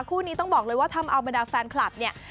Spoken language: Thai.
คู่นี้ต้องบอกเลยว่าทำเอาบรรดาแฟนคลับเนี่ย